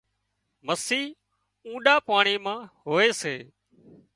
مسي اونڏا پاڻي مان هوئي سي